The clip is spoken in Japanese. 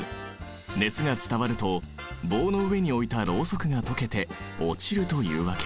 熱が伝わると棒の上に置いたロウソクが溶けて落ちるというわけ。